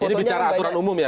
ini bicara aturan umum ya